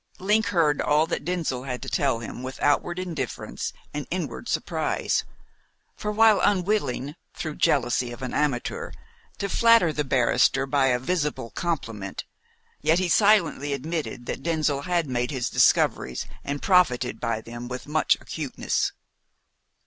Link heard all that Denzil had to tell him with outward indifference and inward surprise; for while unwilling, through jealousy of an amateur, to flatter the barrister by a visible compliment, yet he silently admitted that Denzil had made his discoveries and profited by them with much acuteness.